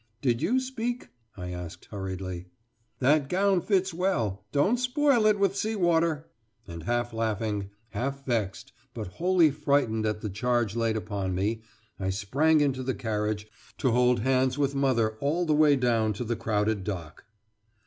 "Did you speak?" I asked hurriedly. "That gown fits well don't spoil it with sea water!" And half laughing, half vexed, but wholly frightened at the charge laid upon me, I sprang into the carriage, to hold hands with mother all the way down to the crowded dock.